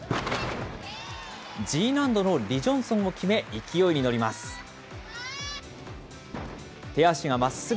Ｇ難度のリ・ジョンソンを決め、勢いに乗ります。